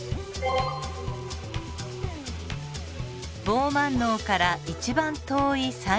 ボーマンのうから一番遠い細